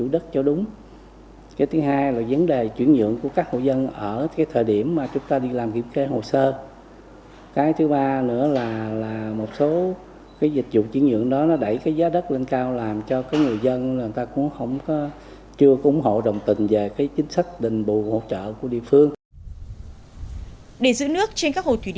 để giữ nước trên các hồ thủy điện cho cao điểm bố khô năm hai nghìn hai mươi